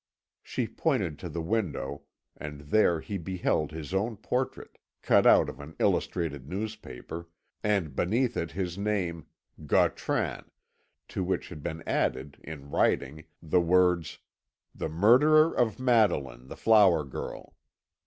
She pointed to the window, and there he beheld his own portrait, cut out of an illustrated newspaper, and beneath it his name "GAUTRAN," to which had been added, in writing, the words, "The Murderer of Madeline, the Flower Girl."